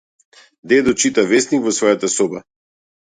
Дедо чита весник во својата соба.